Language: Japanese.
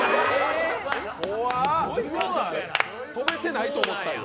怖っ！飛べてないと思ったんや。